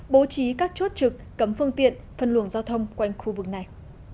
bố trí các chốt trực cấm phương tiện phân luồng giao thông quanh khu vực này